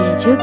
iya juga sih